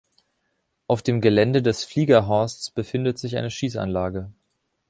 Auf dem Gelände des Fliegerhorsts befindet sich eine Schießanlage.